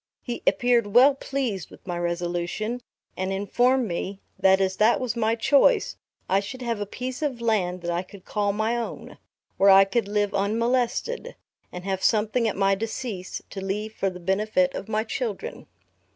He appeared well pleased with my resolution, and informed me, that as that was my choice, I should have a piece of land that I could call my own, where I could live unmolested, and have something at my decease to leave for the benefit of my children.